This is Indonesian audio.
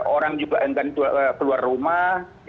orang juga enggan keluar rumah